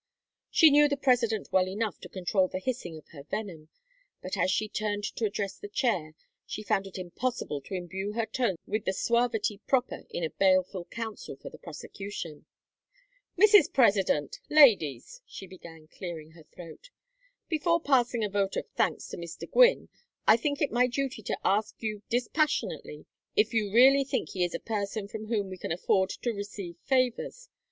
She knew the President well enough to control the hissing of her venom, but as she turned to address the chair she found it impossible to imbue her tones with the suavity proper in a baleful counsel for the prosecution. "Mrs. President, Ladies!" she began, clearing her throat. "Before passing a vote of thanks to Mr. Gwynne I think it my duty to ask you dispassionately if you really think he is a person from whom we can afford to receive favors.